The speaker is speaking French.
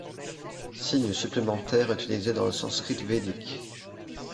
Signes supplémentaires utilisés dans le sanskrit védique.